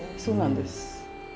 そうなんです。